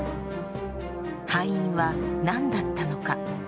敗因は何だったのか。